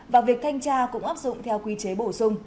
và việc thanh tra cũng áp dụng theo quy chế bổ sung